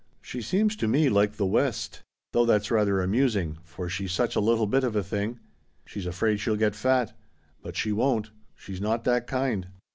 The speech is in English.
She seems to me like the West. Though that's rather amusing, for she's such a little bit of a thing. She's afraid she'll get fat. But she won't. She's not that kind."